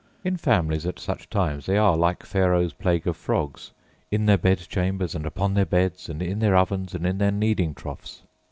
In families, at such times, they are, like Pharaoh's plague of frogs, 'in their bed chambers, and upon their beds, and in their ovens, and in their kneading troughs.